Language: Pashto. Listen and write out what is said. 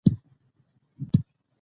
د وخت سره په حالاتو کښې بدلون راغی